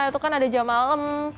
itu kan ada jam malam